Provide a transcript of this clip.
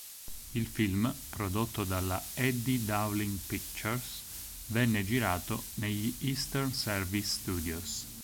Il film, prodotto dalla Eddie Dowling Pictures, venne girato negli Eastern Service Studios.